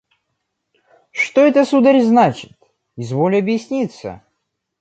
– Что это, сударь, значит? Изволь объясниться.